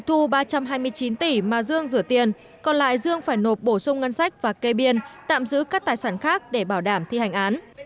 tịch thu ba trăm hai mươi chín tỷ mà dương rửa tiền còn lại dương phải nộp bổ sung ngân sách và cây biên tạm giữ các tài sản khác để bảo đảm thi hành án